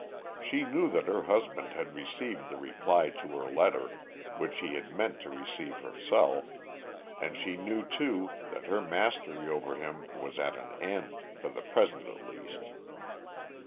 She knew that her husband had received the reply to her letter, which she had meant to receive herself, and she knew too that her mastery over him was at an end, for the present at least.